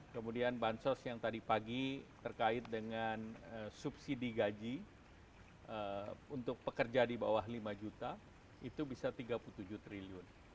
kemudian bansos yang tadi pagi terkait dengan subsidi gaji untuk pekerja di bawah lima juta itu bisa tiga puluh tujuh triliun